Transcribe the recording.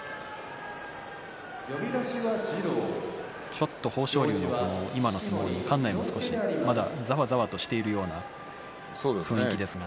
ちょっと豊昇龍の今の相撲に館内がまだ、ざわざわしているような雰囲気ですが。